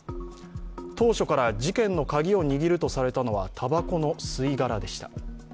当初から事件のカギを握るとされたのは、たばこの吸殻でした。